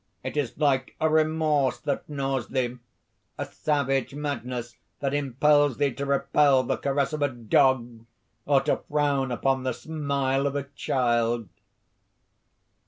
It is like a remorse that gnaws thee, a savage madness that impels thee to repel the caress of a dog or to frown upon the smile of a child."